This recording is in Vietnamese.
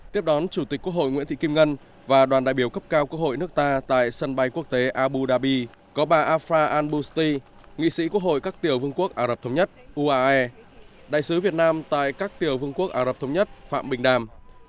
tiếp đón chủ tịch quốc hội nguyễn thị kim ngân và đoàn đại biểu cấp cao quốc hội nước ta tại sân bay quốc tế abu dhabi có bà afah albusti nghị sĩ quốc hội các tiểu vương quốc ả rập thống nhất uae đại sứ việt nam tại các tiểu vương quốc ả rập thống nhất phạm bình đàm